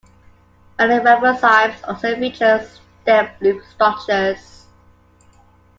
Many ribozymes also feature stem-loop structures.